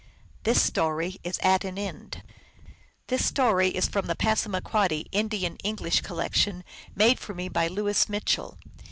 This story is at an end. This story is from the Passamaquoddy Indian Eng lish collection made for me by Louis Mitchell.